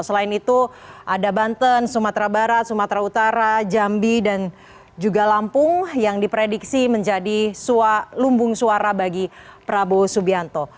selain itu ada banten sumatera barat sumatera utara jambi dan juga lampung yang diprediksi menjadi lumbung suara bagi prabowo subianto